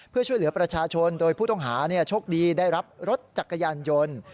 เพื่อช่วยเหลือประชาชนโดยผู้ต้องหาโชคดีได้รับรถจักรยานยนต์